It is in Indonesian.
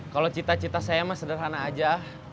kalau cita cita saya mah sederhana aja